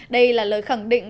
đây là lời khẳng định